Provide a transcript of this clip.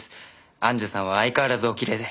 庵主さんは相変わらずおきれいで。